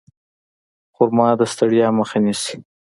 خرما د ستړیا مخه نیسي.